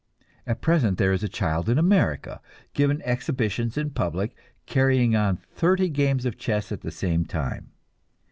At present there is a child in America, giving exhibitions in public, carrying on thirty games of chess at the same time.